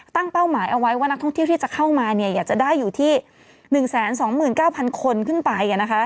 เป้าหมายเอาไว้ว่านักท่องเที่ยวที่จะเข้ามาอยากจะได้อยู่ที่๑๒๙๐๐คนขึ้นไป